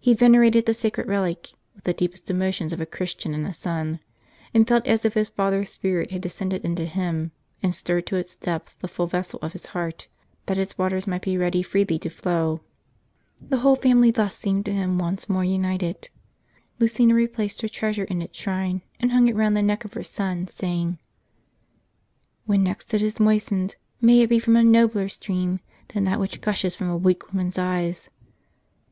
He vener ated the sacred relic with the deepest emotions of a Christian and a son ; and felt as if his father's spirit had descended into him, and stirred to its depths the full vessel of his heart, that its waters might be ready freely to flow. The whole family thus seemed to him once more united. Lucina replaced her treasure in its shrine, and hung it round the neck of her son, saying :" When next it is moistened, may it be from a nobler stream than that which gushes from a weak woman's eyes